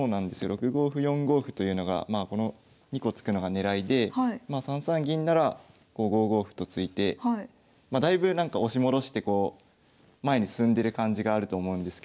６五歩４五歩というのがまあこの２個突くのが狙いでまあ３三銀ならこう５五歩と突いてだいぶ押し戻して前に進んでる感じがあると思うんですけど。